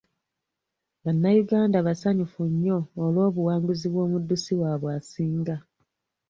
Bannayuganda basanyufu nnyo olw'obuwanguzi bw'omuddusi waabwe asinga.